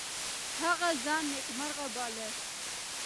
هغه ځان نیکمرغه باله.